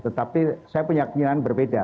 tetapi saya punya keinginan berbeda